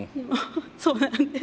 そうなんです。